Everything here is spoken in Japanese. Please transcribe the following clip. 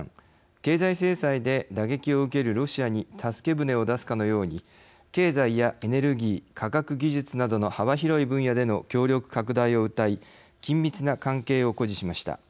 経済制裁で打撃を受けるロシアに助け船を出すかのように経済やエネルギー科学技術などの幅広い分野での協力拡大をうたい緊密な関係を誇示しました。